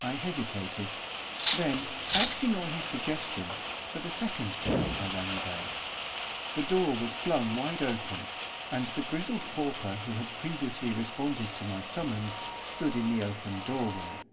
I hesitated; then, acting on his suggestion, for the second time I rang the bell. The door was flung wide open, and the grizzled pauper, who had previously responded to my summons, stood in the open doorway.